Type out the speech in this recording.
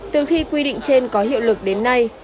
từ khi quy định trên có hiệu lực đến nay